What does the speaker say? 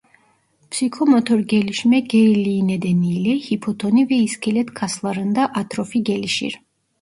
Psikomotor gelişme geriliği nedeniyle hipotoni ve iskelet kaslarında atrofi gelişir.